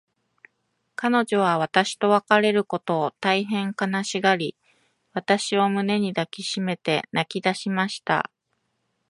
彼女は私と別れることを、大へん悲しがり、私を胸に抱きしめて泣きだしました。